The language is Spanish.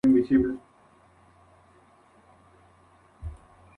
Cada uno de estos tres eventos es el efecto visible de una conjunción.